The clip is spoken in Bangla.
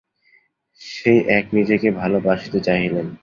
সেই এক নিজেকে ভালবাসিতে চাহিলেন।